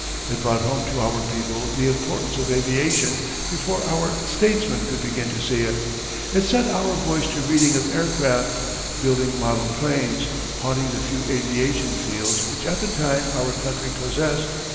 It brought home to our people the importance of aviation before our statesmen could begin to see it. It set our boys to reading of aircraft, building model planes, haunting the few aviation fields which at the time our country possessed.